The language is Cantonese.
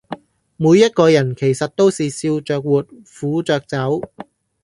每一個人其實都是笑著活，苦著走